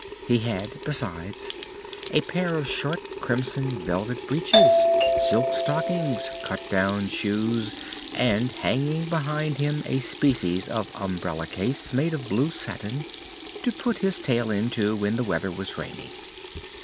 He had, besides, a pair of short crimson velvet breeches, silk stockings, cut down shoes, and hanging behind him a species of umbrella case made of blue satin, to put his tail into when the weather was rainy.